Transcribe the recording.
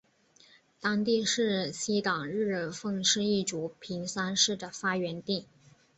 当地是西党日奉氏一族平山氏的发源地。